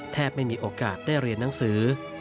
ไม่มีโอกาสได้เรียนหนังสือ